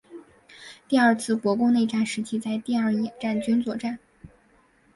第二次国共内战时期在第二野战军作战。